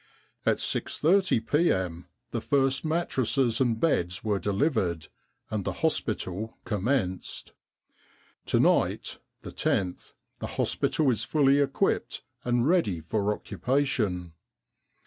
At 6.30 p.m. the first mattresses and beds were delivered, and the hospital commenced. To night, the loth, the hospital is fully equipped and ready for occupation.